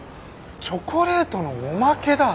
チョコレートのおまけだ！